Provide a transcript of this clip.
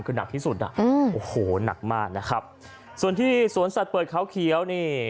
คือหนักที่สุดอ่ะอืมโอ้โหหนักมากนะครับส่วนที่สวนสัตว์เปิดเขาเขียวนี่